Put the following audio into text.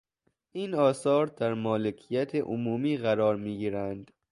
این آثار در مالکیت عمومی قرار میگیرند.